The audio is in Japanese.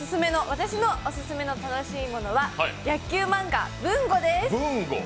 私のオススメの楽しいものは野球漫画「ＢＵＮＧＯ−ブンゴ−」です。